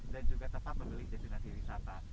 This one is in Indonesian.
dan juga tepat memilih destinasi wisata